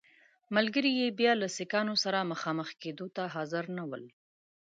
ملګري یې بیا له سیکهانو سره مخامخ کېدو ته حاضر نه ول.